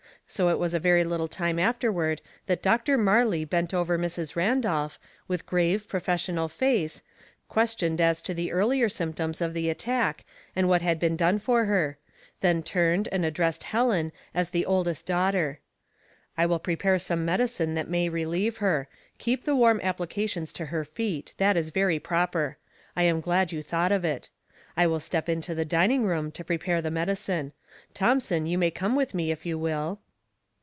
So it was a very little time afterward that Dr. Marley bent over Mrs. Randolph, with grave professional face, questioned as to the earlier symptoms of the at tack, and what had been done for her; then turned and addressed Helen as the oldest daugh ter. " I will' prepare some medicine that may re lieve her; keep the warm applications to her feet — that is very proper. I am glad you thought of it. I will step into the dining room to prepare the medicine. Thomson, you may eome v/ith me, if you will."